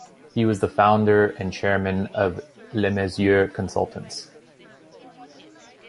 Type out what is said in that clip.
He was the founder and chairman of LeMessurier Consultants.